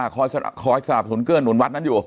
คอร์สสาปศูนย์เกลือหนุนวัดนั้นอยู่